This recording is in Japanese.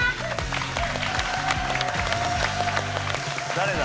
誰だ？